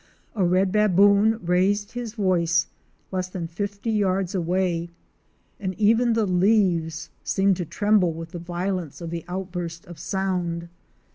A Red "Baboon"? raised his voice less than fifty yards away, and even the leaves seemed to tremble with the violence of the outburst of sound.